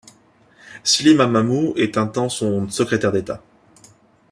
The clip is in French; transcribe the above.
Slim Amamou est un temps son secrétaire d'État.